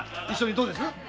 一緒にどうです？